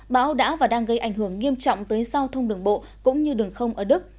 bão đã và đang gây ảnh hưởng nghiêm trọng tới giao thông đường bộ cũng như đường không ở đức